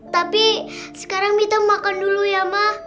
tapi sekarang mita makan dulu ya mah